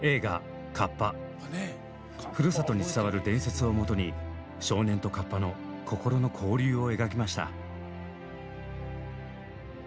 ふるさとに伝わる伝説をもとに少年と河童の心の交流を描きました。